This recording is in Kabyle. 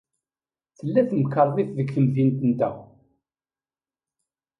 Tella temkarḍit deg temdint-nteɣ.